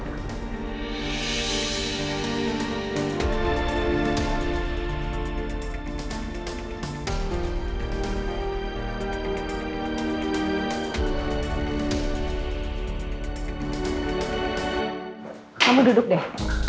kamu duduk deh